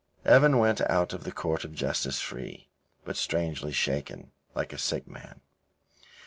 Evan went out of the Court of Justice free, but strangely shaken, like a sick man.